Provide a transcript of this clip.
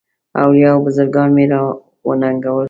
اولیاء او بزرګان مي را وننګول.